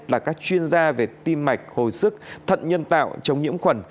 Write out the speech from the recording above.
là các chuyên gia về tim mạch hồi sức thận nhân tạo chống nhiễm khuẩn